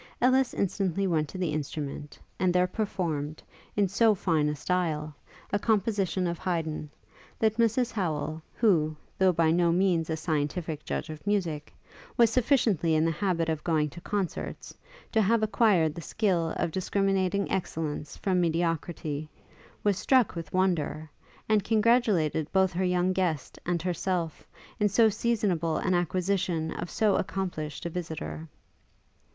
Ellis instantly went to the instrument, and there performed, in so fine a style, a composition of Haydn, that Mrs Howel, who, though by no means a scientific judge of music, was sufficiently in the habit of going to concerts, to have acquired the skill of discriminating excellence from mediocrity, was struck with wonder, and congratulated both her young guest and herself, in so seasonable an acquisition of so accomplished a visitor.